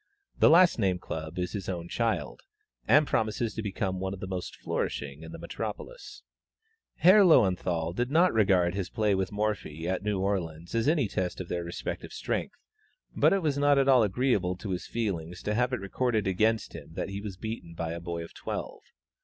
The last named club is his own child, and promises to become one of the most flourishing in the metropolis. Herr Löwenthal did not regard his play with Morphy at New Orleans as any test of their respective strength, but it was not at all agreeable to his feelings to have it recorded against him that he was beaten by a boy of twelve.